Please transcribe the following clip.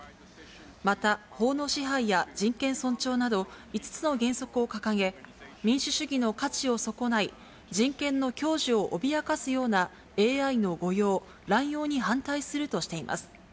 また法の支配や人権尊重など、５つの原則を掲げ、民主主義の価値を損ない人権の享受を脅かすようなＡＩの誤用・乱用に反対するとしています。